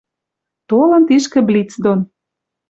Толын тишкӹ блиц дон.